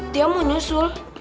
dia mau nyusul